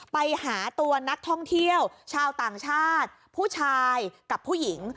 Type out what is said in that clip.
ไปหาตัวนักท่องเที่ยวชาวต่างชาติผู้ชายกับผู้หญิง